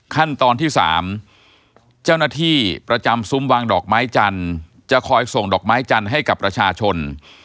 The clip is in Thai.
ขั้นตอนที่๓เจ้าหน้าที่ประจำซุ้มวางดอกไม้จันทร์จะคอยส่งดอกไม้จันทร์ให้กับประชาชน